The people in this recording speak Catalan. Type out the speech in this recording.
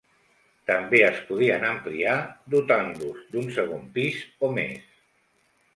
També es podien ampliar, dotant-los d'un segon pis o més.